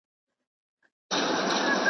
لا یې تازه دي د ښاخونو سیوري.